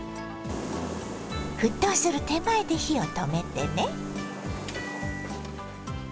沸騰する手前で火を止めてね。